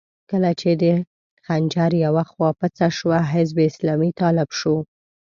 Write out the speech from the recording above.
کله چې د خنجر يوه خوا پڅه شوه، حزب اسلامي طالب شو.